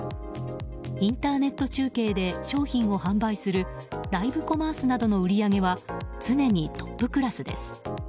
インターネット中継で商品を販売するライブコマースなどの売り上げは常にトップクラスです。